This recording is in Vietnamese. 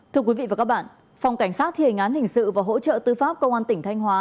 thưa quý vị và các bạn phòng cảnh sát thi hình án hình sự và hỗ trợ tư pháp công an tỉnh thanh hóa